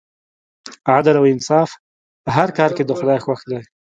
عدل او انصاف په هر کار کې د خدای خوښ دی.